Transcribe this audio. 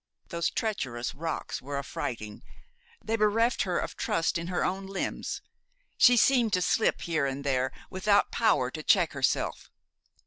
Those treacherous rocks were affrighting. They bereft her of trust in her own limbs. She seemed to slip here and there without power to check herself.